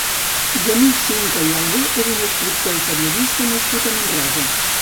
Genís Sinca i Algué és un escriptor i periodista nascut a Manresa.